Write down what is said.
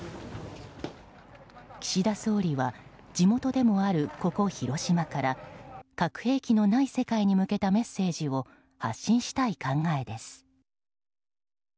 岸田総理は地元でもあるここ広島から核兵器のない世界に向けたメッセージを発信したい考えです。